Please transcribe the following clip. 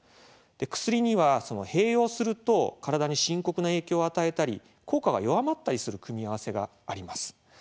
薬には、併用すると体に深刻な影響を与えたり効果が弱まったりする組み合わせがあります。